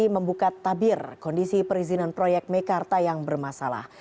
membuka tabir kondisi perizinan proyek mekarta yang bermasalah